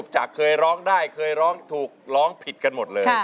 จากเคยร้องได้เคยร้องถูกร้องผิดกันหมดเลย